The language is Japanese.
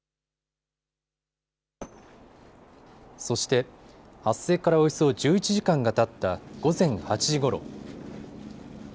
そして、発生からおよそ１１時間がたった午前８時ごろ。